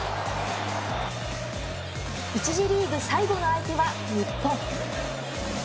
１次リーグ最後の相手は日本。